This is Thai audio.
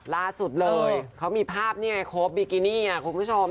ล่าสุดเลยเขามีภาพนี่ไงโคปบิกินี่ไงคุณผู้ชม